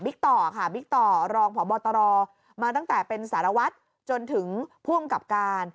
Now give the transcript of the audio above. บิกต่อค่ะบิกต่อรองผ่อบอตรอมาตั้งแต่เป็นสารวัฒน์จนถึงพ่วงกลับการ